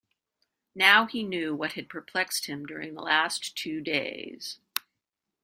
Now he knew what had perplexed him during the last two days.